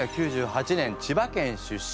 １９９８年千葉県出身。